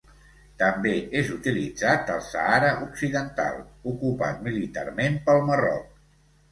També és utilitzat al Sàhara Occidental, ocupat militarment pel Marroc.